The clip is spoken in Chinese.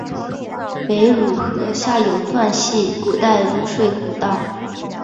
北汝河下游段系古代汝水故道。